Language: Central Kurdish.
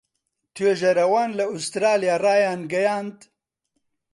توێژەرەوان لە ئوسترالیا ڕایانگەیاند